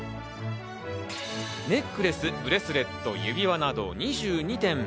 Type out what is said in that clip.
ネックレス、ブレスレット、指輪など２２点。